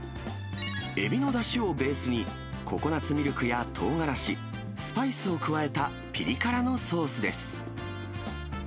エビのだしをベースに、ココナツミルクやとうがらし、スパイスを加えたぴり辛のソースです。